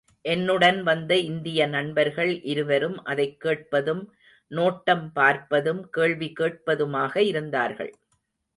என்னுடன் வந்த இந்திய நண்பர்கள் இருவரும் அதைக் கேட்பதும், நோட்டம் பார்ப்பதும், கேள்வி கேட்பதுமாக இருந்தார்கள்.